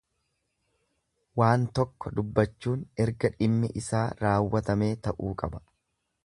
Waan tokko dubbachuun erga dhimmi isaa raawwatamee ta'uu qaba.